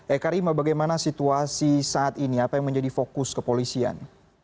eka rima bagaimana situasi saat ini apa yang menjadi fokus kepolisian